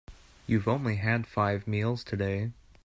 You've only had five meals today.